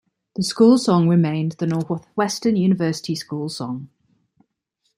The school song remained the Northwestern University school song.